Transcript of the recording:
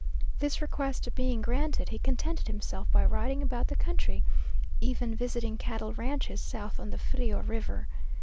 This request being granted, he contented himself by riding about the country, even visiting cattle ranches south on the Frio River.